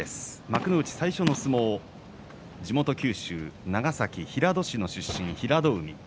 幕内最初の相撲地元九州、長崎平戸市出身の平戸海。